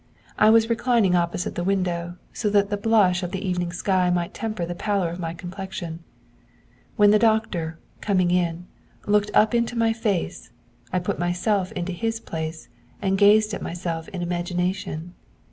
I was reclining opposite the window, so that the blush of the evening sky might temper the pallor of my complexion. When the doctor, coming in, looked up into my face, I put myself into his place, and gazed at myself in imagination.